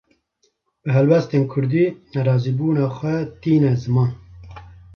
Bi helbestên Kurdî, nerazîbûna xwe tîne ziman